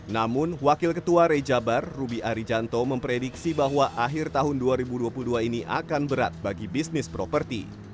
namun wakil ketua rejabar ruby arijanto memprediksi bahwa akhir tahun dua ribu dua puluh dua ini akan berat bagi bisnis properti